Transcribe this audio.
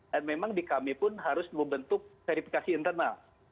memang di kami pun harus membentuk verifikasi internal